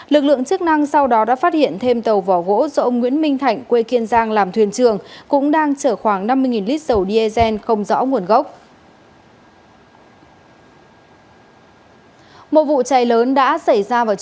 lực lượng chức năng sau đó đã phát hiện thêm tàu vỏ gỗ do ông nguyễn minh thạnh quê kiên giang làm thuyền trường cũng đang chở khoảng năm mươi lít dầu diesel